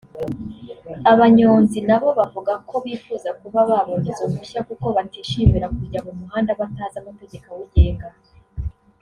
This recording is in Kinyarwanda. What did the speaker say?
Abanyonzi na bo bavuga ko bifuza kuba babona izo mpushya kuko batishimira kujya mu muhanda batazi amategeko awugenga